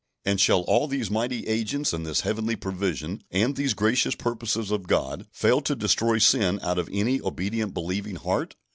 And shall all these mighty agents and this heavenly provision, and these gracious purposes of God, fail to destroy sin out of any obedient, believing heart?